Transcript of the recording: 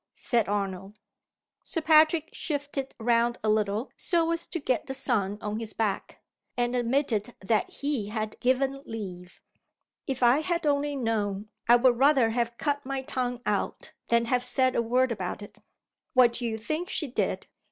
said Arnold. Sir Patrick shifted round a little, so as to get the sun on his back, and admitted that he had given leave. "If I had only known, I would rather have cut my tongue out than have said a word about it. What do you think she did?